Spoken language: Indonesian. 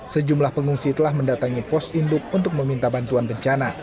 sejumlah pengungsi telah mendatangi pos induk untuk meminta bantuan bencana